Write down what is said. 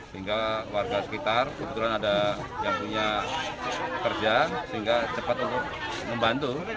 sehingga warga sekitar kebetulan ada yang punya kerja sehingga cepat untuk membantu